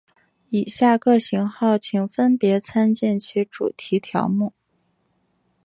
以下各型号请分别参见其主题条目。